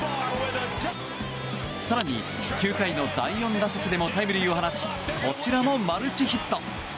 更に９回の第４打席でもタイムリーを放ちこちらもマルチヒット。